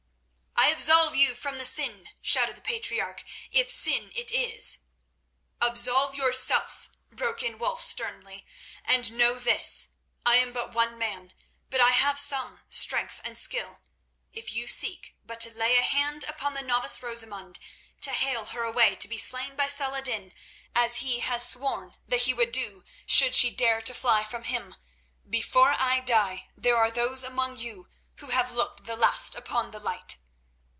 "I absolve you from the sin," shouted the patriarch, "if sin it is." "Absolve yourself," broke in Wulf sternly, "and know this. I am but one man, but I have some strength and skill. If you seek but to lay a hand upon the novice Rosamund to hale her away to be slain by Saladin, as he has sworn that he would do should she dare to fly from him, before I die there are those among you who have looked the last upon the light."